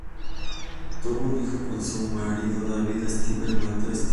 Tuvo un hijo con su marido David Stivel, Mateo Stivel.